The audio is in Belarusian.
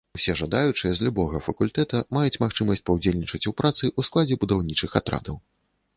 Усе жадаючыя з любога факультэта маюць магчымасць паўдзельнічаць у працы ў складзе будаўнічых атрадаў.